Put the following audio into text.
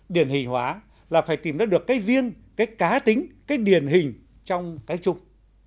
điển hình hóa là phải tìm ra được cái riêng cái cá tính cái điển hình trong cái chung